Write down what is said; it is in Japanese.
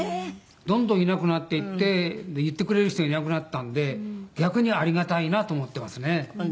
どんどんいなくなっていって言ってくれる人がいなくなったんで逆にありがたいなと思ってますね。